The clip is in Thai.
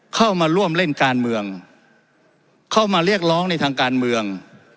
เข้ามาร่วมเล่นการเมืองเข้ามาเรียกร้องในทางการเมือง